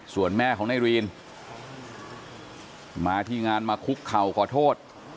ส่วนแม่ของนายรีนมาที่งานมาคุกเข่าขอโทษ